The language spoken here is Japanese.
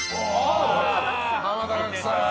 濱田岳さん。